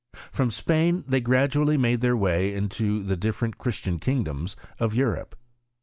From Spain they gradually mad their way into the difierent Christian kingdoms of Sn rope.